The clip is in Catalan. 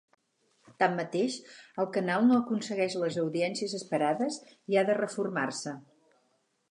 Tanmateix, el canal no aconsegueix les audiències esperades i ha de reformar-se.